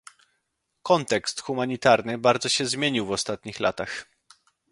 Kontekst humanitarny bardzo się zmienił w ostatnich latach